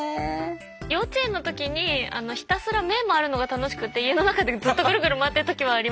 幼稚園の時にひたすら目回るのが楽しくて家の中でずっとぐるぐる回ってる時もありました。